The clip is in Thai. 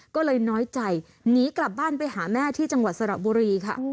ก็เลยน้อยใจหนีกลับบ้านไปหาแม่ที่จังหวัดสระบุรีค่ะ